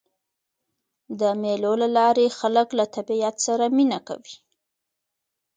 د مېلو له لاري خلک له طبیعت سره مینه کوي.